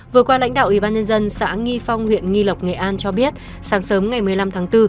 vừa qua lãnh đạo ủy ban nhân dân xã nghi phong huyện nghi lộc nghệ an cho biết sáng sớm ngày một mươi năm tháng bốn